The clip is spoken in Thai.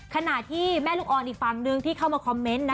ขณะที่แม่ลูกอ่อนอีกฝั่งนึงที่เข้ามาคอมเมนต์นะ